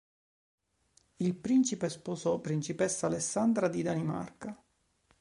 Il principe sposò Principessa Alessandra di Danimarca.